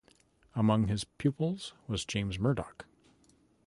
Among his pupils was James Murdoch.